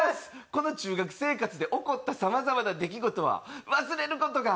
この中学生活で起こったさまざまな出来事は忘れる事が。